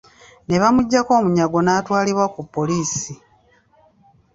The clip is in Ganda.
N’ebamuggyako omunyago n’atwalibwa ku poliisi.